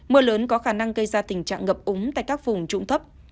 mưa lớn có khả năng gây ra tình trạng ngập úng tại các vùng trụng thấp